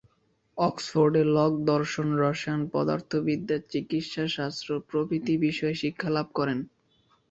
অক্সফোর্ডে Locke দর্শন, রসায়ন, পদার্থবিদ্যা, চিকিৎসাশাস্ত্র প্রভৃতি বিষয়ে শিক্ষা লাভ করেন।